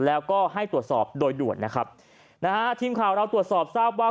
แล้วก็ให้ตรวจสอบโดยด่วนนะครับนะฮะทีมข่าวเราตรวจสอบทราบว่า